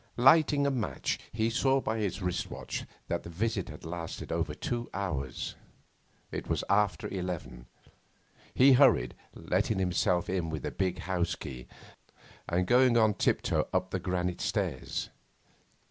Lighting a match, he saw by his watch that the visit had lasted over two hours. It was after eleven. He hurried, letting himself in with the big house key, and going on tiptoe up the granite stairs.